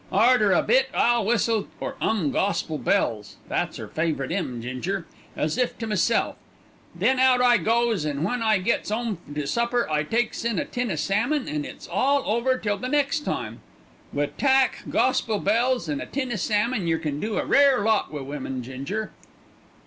Arter a bit I'll whistle or 'um 'Gospel Bells' (that's 'er favourite 'ymn, Ginger) as if to meself. Then out I goes, an' when I gets 'ome to supper I takes in a tin o' salmon, an' it's all over till the next time. Wi' tack, 'Gospel Bells,' and a tin o' salmon yer can do a rare lot wi' women, Ginger."